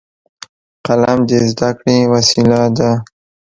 قلم د زده کړې وسیله ده